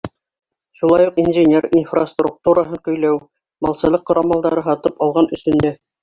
Шулай уҡ инженер инфраструктураһын көйләү, малсылыҡ ҡорамалдары һатып алған өсөн дә.